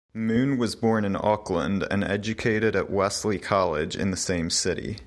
Mune was born in Auckland, and educated at Wesley College in the same city.